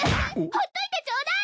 ほっといてちょうだい！